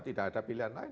tidak ada pilihan lain